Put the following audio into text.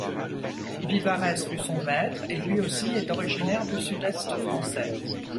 Vivarès fut son maître, et lui aussi est originaire du sud-est français.